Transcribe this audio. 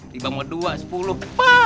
tiba mau dua sepuluh